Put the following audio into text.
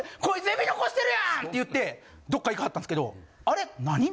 こいつエビ残してるやん！」って言ってどっか行かはったんですけどあれ何？